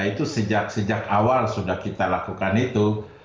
kalau pertama yang wni dulu ya itu sejak awal sudah kita lakukan itu